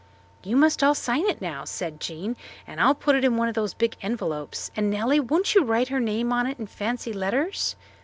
"You must all sign it now," said Jean, "and I'll put it in one of those big envelopes; and, Nellie, won't you write her name on it in fancy letters?"